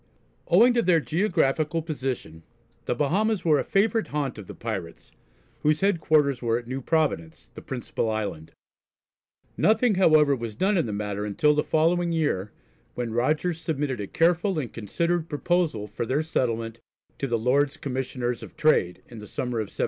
Owing to their geographical position, the Bahamas were a favourite haunt of the pirates, whose headquarters were at New Providence, the principal island. Nothing however was done in the matter until the following year, when Rogers submitted a careful and considered proposal for their settlement to the Lords Commissioners of Trade, in the summer of 1717.